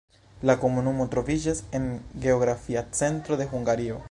La komunumo troviĝas en geografia centro de Hungario.